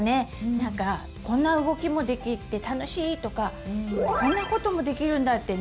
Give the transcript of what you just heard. なんかこんな動きもできて楽しいとかこんなこともできるんだってね